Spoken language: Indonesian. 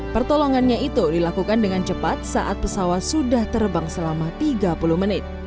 pertolongannya itu dilakukan dengan cepat saat pesawat sudah terbang selama tiga puluh menit